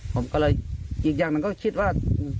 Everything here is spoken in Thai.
ผมก็เลยอีกอย่างหนึ่งก็คิดว่า